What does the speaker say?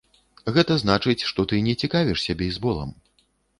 Гэта значыць, што ты не цікавішся бейсболам.